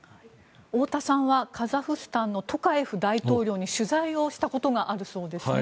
太田さんはカザフスタンのトカエフ大統領に取材をしたことがあるそうですね。